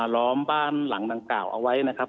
ล้อมบ้านหลังดังกร่าวเอาไว้